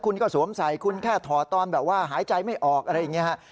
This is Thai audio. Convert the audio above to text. คุณก็สวมใส่คุณแค่ถอดตอนแบบว่าหายใจไม่ออกอะไรอย่างนี้ฮะ